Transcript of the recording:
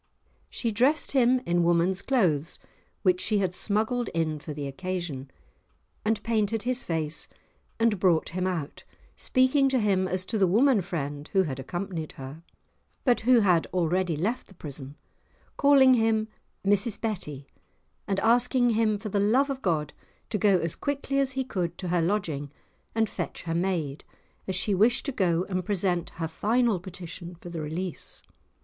She dressed him in woman's clothes, which she had smuggled in for the occasion, and painted his face, and brought him out, speaking to him as to the woman friend who had accompanied her, but who had already left the prison, calling him "Mrs Betty," and asking him for the love of God to go as quickly as he could to her lodging and fetch her maid, as she wished to go and present her final petition for the release.